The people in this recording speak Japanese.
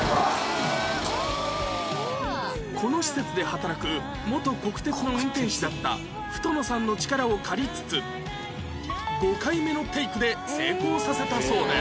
この施設で働く元国鉄の運転士だった太布さんの力を借りつつ５回目のテイクで成功させたそうです